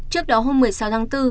trước đó hôm một mươi sáu tháng bốn